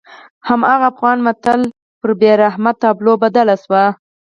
هماغه افغان متل په بېرحمه تابلو بدل شوی.